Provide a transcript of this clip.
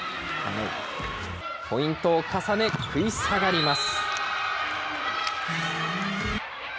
ポイントを重ね、食い下がります。